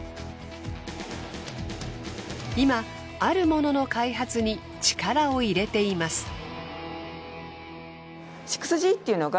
今あるものの開発に力を入れています。